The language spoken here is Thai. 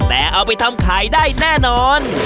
แต่เอาไปทำขายได้แน่นอน